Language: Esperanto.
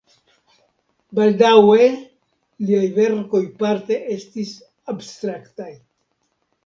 Baldaŭe liaj verkoj parte estis abstraktaj.